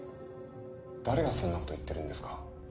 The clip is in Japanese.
誰がそんなことを言ってるんですか？